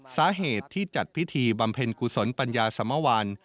สาเหตุที่จัดพิธีบำเพ็ญกุศลปัญญาสมวัล